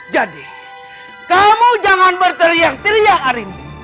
jadi kamu jangan berteriak teriak harimbi